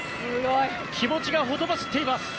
気持ちがほとばしっています。